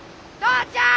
父ちゃん！